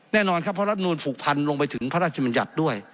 แน่นอนครับเพราะรัฐมนูลผูกพันลงไปถึงพระราชมัญญัติด้วย